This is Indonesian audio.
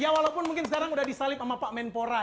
ya walaupun mungkin sekarang udah disalib sama pak menpora